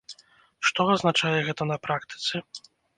Што азначае гэта на практыцы?